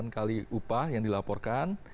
empat puluh delapan kali upah yang dilaporkan